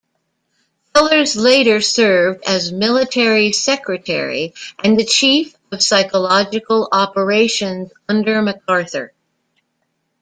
Fellers later served as military secretary and the Chief of Psychological Operations under MacArthur.